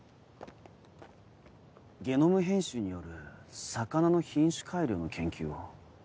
ゲノム編集による魚の品種改良の研究を？